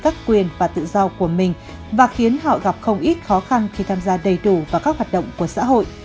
các quyền và tự do của mình và khiến họ gặp không ít khó khăn khi tham gia đầy đủ vào các hoạt động của xã hội